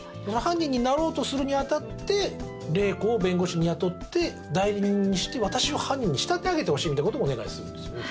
犯人になろうとするに当たって麗子を弁護士に雇って代理人にして私を犯人に仕立て上げてほしいみたいなことをお願いする。